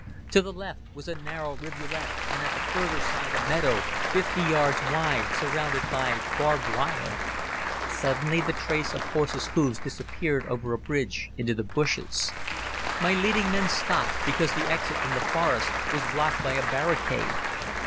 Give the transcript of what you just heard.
To the left, was a narrow rivulet and at the further side a meadow, fifty yards wide, surrounded by barbed wire. Suddenly, the trace of horses' hooves disappeared over a bridge into the bushes. My leading men stopped because the exit from the forest was blocked by a barricade.